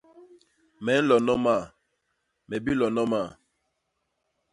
Me nlo noma; me bilo noma.